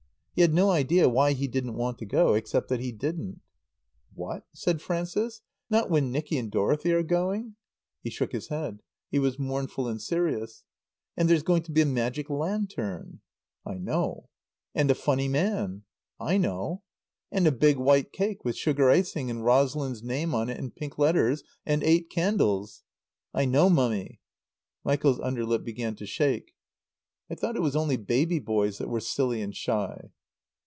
He had no idea why he didn't want to go except that he didn't. "What'?" said Frances. "Not when Nicky and Dorothy are going?" He shook his head. He was mournful and serious. "And there's going to be a Magic Lantern" "I know." "And a Funny Man" "I know." "And a Big White Cake with sugar icing and Rosalind's name on it in pink letters, and eight candles " "I know, Mummy." Michael's under lip began to shake. "I thought it was only little baby boys that were silly and shy."